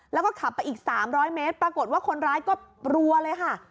แล้วก็ขับไปอีก๓๐๐เมตรปรากฏว่าคนร้ายก็รัวเลยค่ะ